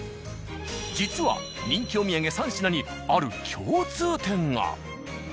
実は人気お土産３品にある共通点が。